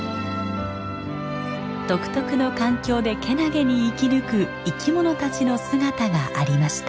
独特の環境でけなげに生き抜く生き物たちの姿がありました。